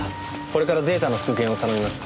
これからデータの復元を頼みます。